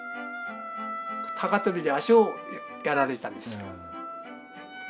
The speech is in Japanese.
高跳びで足をやられたんですよ。